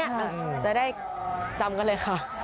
อย่างนี้จะได้จำกันเลยค่ะ